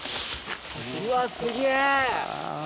うわすげぇ！